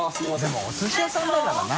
任お寿司屋さんだからな。